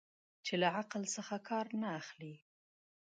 چې له عقل څخه کار نه اخلي.